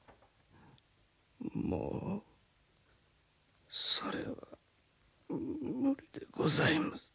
もうそれは無理でございます。